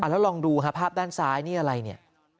แล้วลองดูภาพด้านซ้ายนี่อะไร